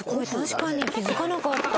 確かに気づかなかった。